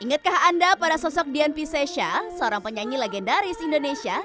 ingatkah anda pada sosok dian piscesha seorang penyanyi legendaris indonesia